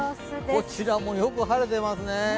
こちらもよく晴れてますね。